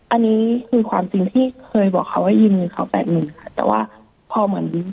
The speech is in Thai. อันนี้คือความจริงที่เคยบอกเขาว่ายูนวีนเขา๘๐๐๐๐ค่ะแต่ว่าพอเหมือนหลุดหมื่น